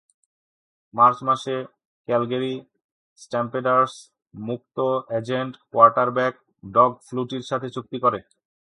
March মাসে Calgary Stampeders মুক্ত agent quarterback Doug ফ্লুটির সাথে চুক্তি করে।